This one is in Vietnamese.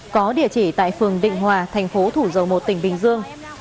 có địa chỉ tại phường định hòa tp thủ dầu một tỉnh bình dương